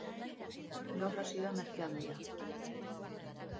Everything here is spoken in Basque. Gaur hasi da merkealdia.